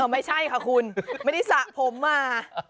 ไม่ใช่ค่ะคุณไม่ได้สระผมมา